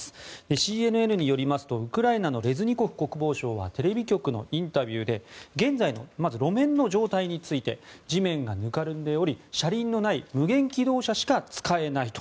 ＣＮＮによりますとウクライナのレズニコフ国防相はテレビ局のインタビューで現在の、まず路面の状態について地面がぬかるんでおり車輪のない無限軌道車しか使えないと。